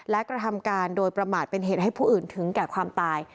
และกระทำการโดยประมาทเป็นเหตุให้ผู้อื่นถึงแก่ความตาย